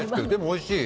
おいしい！